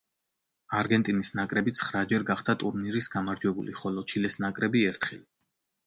არგენტინის ნაკრები ცხრაჯერ გახდა ტურნირის გამარჯვებული, ხოლო ჩილეს ნაკრები ერთხელ.